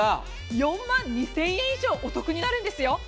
４万２０００円以上お得になるんですよ。